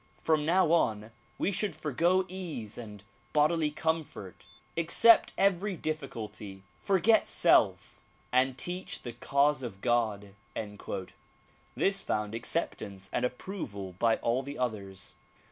From now on we should forego ease and bodily comfort, accept every difficulty, forget self and teach the cause of God." This found acceptance and approval by all the others.